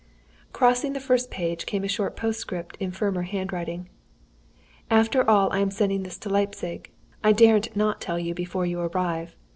Crossing the first page came a short postscript, in firmer hand writing: "After all I am sending this to Leipzig. I daren't not tell you before you arrive.